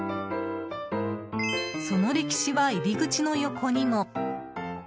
その歴史は入り口の横にも。